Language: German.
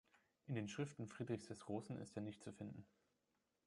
In den Schriften Friedrichs des Großen ist er nicht zu finden.